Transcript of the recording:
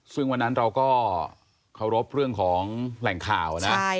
ซึ่งวันนั้นเราก็เคารพเรื่องของแหล่งข่าวนะ